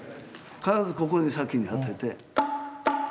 必ずここに先に当てて。